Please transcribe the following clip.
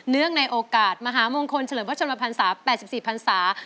เนื่องในโอกาสมหามงคลเฉลิมวัฒนบรรษาแปดสิบสี่พรรษา